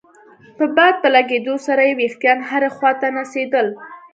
د باد په لګېدو سره يې ويښتان هرې خوا ته نڅېدل.